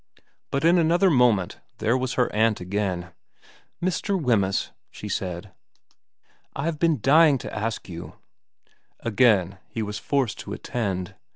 But in another moment there was her aunt again. ' Mr. Wemyss,' she said, ' I've been dying to ask you * Again he was forced to attend.